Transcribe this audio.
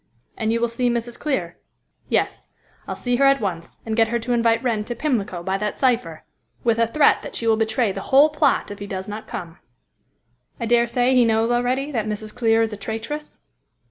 "And you will see Mrs. Clear?" "Yes; I'll see her at once, and get her to invite Wrent to Pimlico by that cypher, with a threat that she will betray the whole plot if he does not come." "I daresay he knows already that Mrs. Clear is a traitress?"